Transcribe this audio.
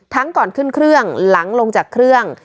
ก่อนขึ้นเครื่องหลังลงจากเครื่อง